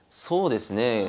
そうですね。